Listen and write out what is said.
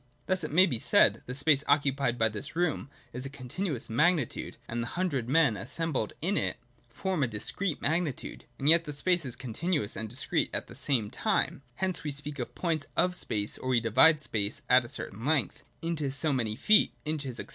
Thus, it may be said, the space occupied by this room is a continuous magnitude, and the hundred men, assembled in it, form a discrete magnitude. And yet the space is con tinuous and discrete at the same time ; hence we speak of points of space, or we divide space, a certain length, into so many feet, inches, &c.